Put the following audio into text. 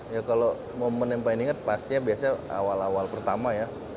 ya kalau momen yang paling ingat pastinya biasanya awal awal pertama ya